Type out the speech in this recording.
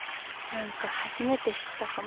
何か初めて知ったかも。